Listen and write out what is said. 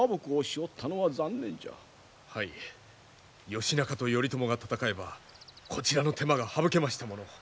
義仲と頼朝が戦えばこちらの手間が省けましたものを。